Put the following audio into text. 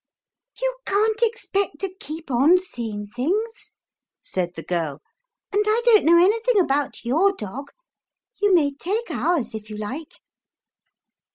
"You can't expect to keep on seeing things," said the girl, "and I don't know anything about your dog; you may take ours if you like."